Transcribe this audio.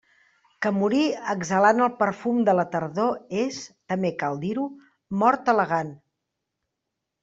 Que morir exhalant el perfum de la tardor és, també cal dir-ho, mort elegant.